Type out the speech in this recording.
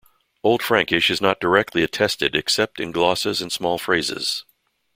Old Frankish is not directly attested except in glosses and small phrases.